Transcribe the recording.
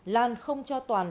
lan không cho toàn